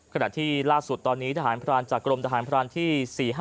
ขณะที่ล่าสุดตอนนี้ทหารพรานจากกรมทหารพรานที่๔๕